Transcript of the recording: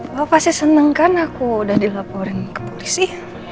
pak pasti seneng kan aku udah dilaporin ke polisi